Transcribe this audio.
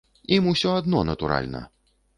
Ім усё адно, натуральна!